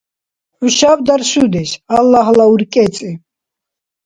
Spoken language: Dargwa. ХӀушаб даршудеш, Аллагьла уркӀецӀи.